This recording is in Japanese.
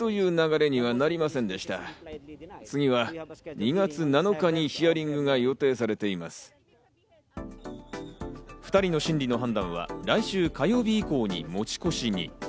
２人の審理の判断は、来週火曜日以降に持ち越しに。